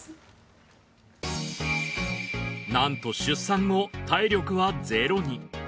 なんと出産後体力は０に。